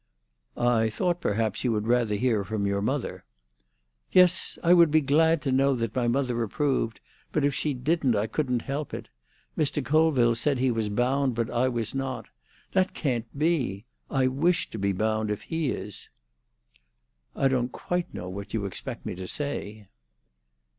"I thought perhaps you would rather hear from your mother—" "Yes, I would be glad to know that my mother approved; but if she didn't, I couldn't help it. Mr. Colville said he was bound, but I was not. That can't be. I wish to be bound, if he is." "I don't quite know what you expect me to say."